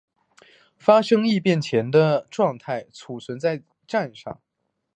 发生异常前的状态存储在栈上。